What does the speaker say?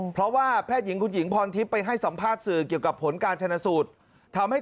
เพราะว่าแพทย์หญิงคุณหญิงพรทิพย์ไปให้สัมภาษณ์สื่อเกี่ยวกับผลการชนะสูตรทำให้